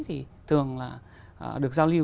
thì thường là được giao lưu